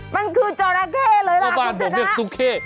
มันคือจอนาเก้เลยคุณฉะนั้นพ่อบ้านบอกยังตุ๊กเค